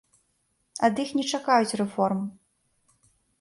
Ад іх не чакаюць рэформ.